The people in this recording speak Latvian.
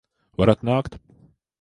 Varat nākt!